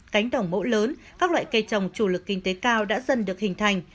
cánh đồng mẫu lớn các loại cây trồng chủ lực kinh tế cao đã dần được hình thành